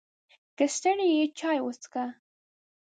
که ستړی یې، چای وڅښه!